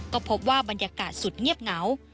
ก็พบว่าบรรยากาศสุดเงียบเหงา